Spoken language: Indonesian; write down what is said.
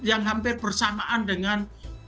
yang hampir bersamaan dengan